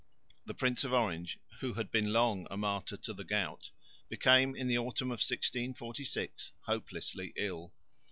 The Prince of Orange, who had been long a martyr to the gout, became in the autumn of 1646 hopelessly ill.